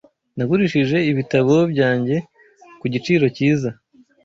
Nagurishije ibitabo byanjye ku giciro cyiza.